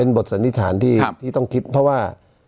บทสันนิษฐานที่ต้องคิดเพราะว่า